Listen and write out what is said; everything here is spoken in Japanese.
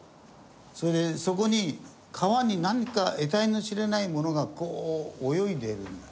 それでそこに川に何か得体の知れないものがこう泳いでるんだよ。